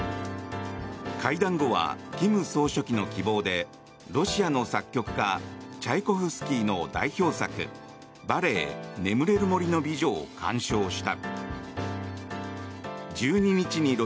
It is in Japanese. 会談後は金総書記の希望でロシアの作曲家チャイコフスキーの代表作バレエ「眠れる森の美女」を鑑賞した。